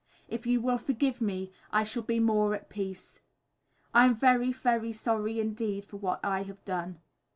If you will forgive me, I shall be more at peace. I am very, very sorry indeed, for what I have done.